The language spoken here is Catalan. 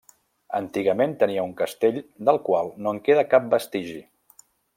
Antigament tenia un castell del qual no en queda cap vestigi.